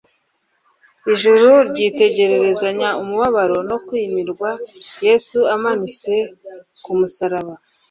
Ijuru ryitegerezanya umubabaro no kumirwa Yesu amanitswe ku musaraba,